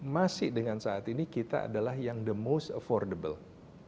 masih dengan saat ini kita adalah yang the most affordable